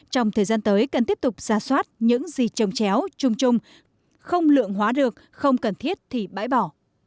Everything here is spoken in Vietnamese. trong thời gian tới cần tiếp tục ra soát những gì trồng chéo chung chung không lượng hóa được không cần thiết thì bãi bỏ